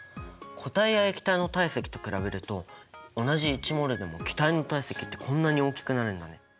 固体や液体の体積と比べると同じ１ｍｏｌでも気体の体積ってこんなに大きくなるんだね。